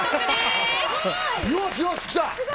よしよしきた！